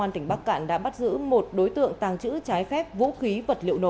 tỉnh bắc cạn đã bắt giữ một đối tượng tàng trữ trái phép vũ khí vật liệu nổ